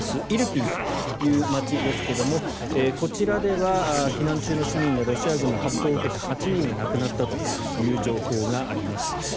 イルピンという街ですがこちらでは避難中の市民がロシア軍の発砲を受けて８人が亡くなったという情報があります。